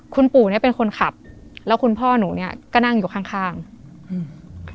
คุณปู่เนี้ยเป็นคนขับแล้วคุณพ่อหนูเนี้ยก็นั่งอยู่ข้างข้างอืม